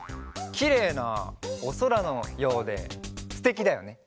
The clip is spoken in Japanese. きれいなおそらのようですてきだよね。